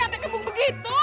sampai kebung begitu